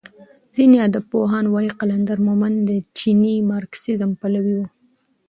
ځینې ادبپوهان وايي قلندر مومند د چیني مارکسیزم پلوی و.